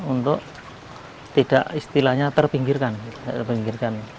untuk tidak istilahnya terpinggirkan